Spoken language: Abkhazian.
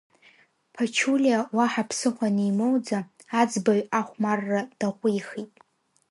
Ԥачулиа уаҳа ԥсыхәа анимоуӡа, аӡбаҩ ахәмарра даҟәихит.